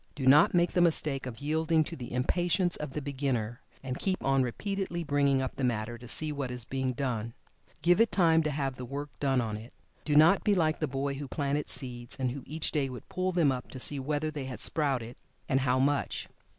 Do not make the mistake of yielding to the impatience of the beginner, and keep on repeatedly bringing up the matter to see what is being done. Give it time to have the work done on it. Do not be like the boy who planted seeds, and who each day would pull them up to see whether they had sprouted, and how much.